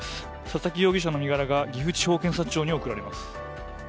佐々木容疑者らの身柄が岐阜地方検察庁に送られます。